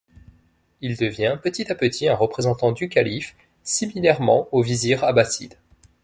Il devient petit à petit un représentant du calife, similairement aux vizirs abassides.